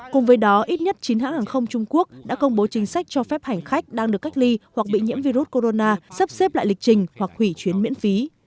cùng với đó ít nhất chín hãng hàng không trung quốc đã công bố chính sách cho phép hành khách đang được cách ly hoặc bị nhiễm virus corona sắp xếp lại lịch trình hoặc hủy chuyến miễn phí